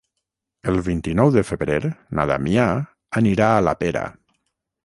El vint-i-nou de febrer na Damià anirà a la Pera.